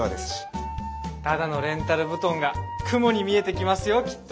ただのレンタル布団が雲に見えてきますよきっと。